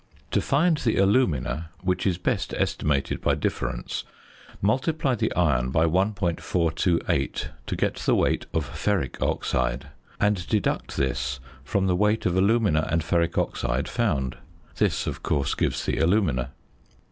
To find the alumina, which is best estimated by difference, multiply the iron by 1.428 to get the weight of ferric oxide, and deduct this from the weight of alumina and ferric oxide found. This, of course, gives the alumina.